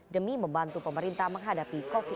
demi membantu pemerintah menghadapi covid sembilan belas